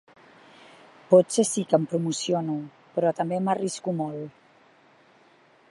Potser sí que em promociono, però també m’arrisco molt.